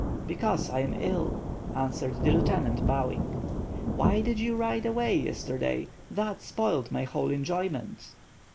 "Because I am ill," answered the lieutenant bowing. "Why did you ride away yesterday? That spoiled my whole enjoyment."